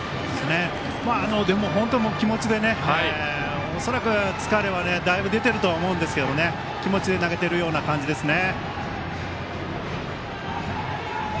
でも、本当もう気持ちで恐らく、疲れはだいぶ出てると思うんですけど気持ちで投げているような感じですね。